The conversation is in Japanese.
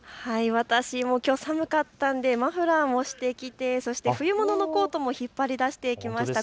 私きょう寒かったのでマフラーもしてきて、そして冬物のコートも引っ張り出してきました。